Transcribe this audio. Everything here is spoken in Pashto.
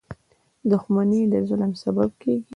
• دښمني د ظلم سبب کېږي.